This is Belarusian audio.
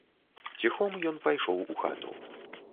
Ціхом ён пайшоў у хату.